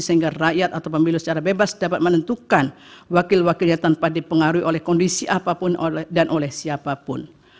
sehingga rakyat atau pemilu secara bebas dapat menentukan wakil wakilnya tanpa dipengaruhi oleh kondisi apapun dan oleh siapapun